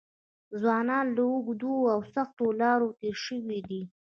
ځوانان له اوږدو او سختو لارو تېر شوي دي.